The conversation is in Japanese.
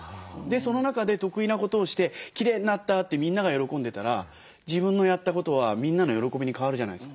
その中で得意なことをしてきれいになったってみんなが喜んでたら自分のやったことはみんなの喜びに変わるじゃないですか。